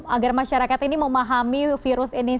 agar masyarakat ini memahami virus ini